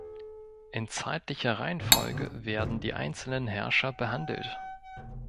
In zeitlicher Reihenfolge werden die einzelnen Herrscher behandelt.